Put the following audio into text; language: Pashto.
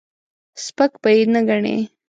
سپک به یې نه ګڼې.